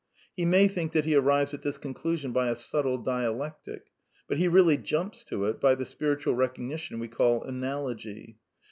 He may think that he arrives at this con clusion by a subtle dialectic, but he really jumps to it by that spiritual recognition we call analogy.